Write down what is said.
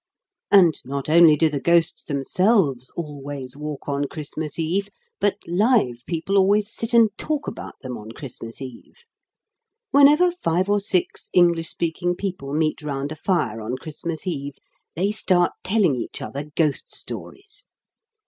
And not only do the ghosts themselves always walk on Christmas Eve, but live people always sit and talk about them on Christmas Eve. Whenever five or six English speaking people meet round a fire on Christmas Eve, they start telling each other ghost stories.